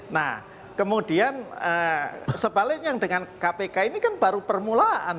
nah kemudian sebaliknya dengan kpk ini kan baru permulaan